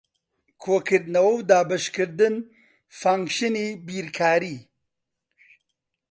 کۆکردنەوە و دابەشکردن فانکشنی بیرکارین.